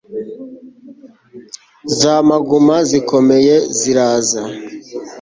za maguma zikomeye ziraza